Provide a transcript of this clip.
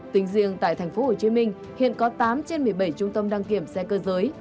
tính riêng tại tp hcm hiện có tám trên một mươi bảy trung tâm đăng kiểm xe cơ giới